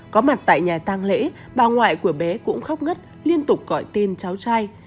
có mặt tại nhà tàng lễ bà ngoại của bé cũng khóc ngất liên tục gọi tên cháu trai